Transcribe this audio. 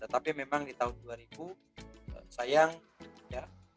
tetapi memang di tahun dua ribu sayang ya